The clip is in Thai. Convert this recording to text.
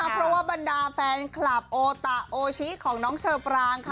เพราะว่าบรรดาแฟนคลับโอตะโอชิของน้องเชอปรางค่ะ